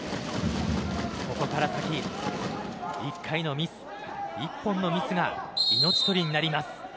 ここから先１回のミス、１本のミスが命取りになります。